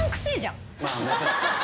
まあ確かに。